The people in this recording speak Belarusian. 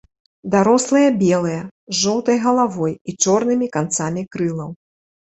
Дарослыя белыя, з жоўтай галавой і чорнымі канцамі крылаў.